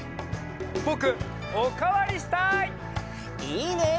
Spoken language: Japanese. ぼくおかわりしたい！いいね！